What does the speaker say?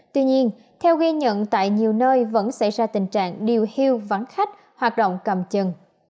tuy nhiên theo ghi nhận tại nhiều nơi vẫn xảy ra tình trạng điều hưu vắng khách hoạt động cầm chừng